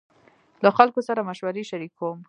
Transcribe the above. له خلکو سره مشورې شريکوم.